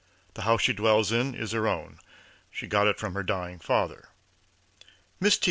The house she dwells in is her own She got it from her dying father. Miss T.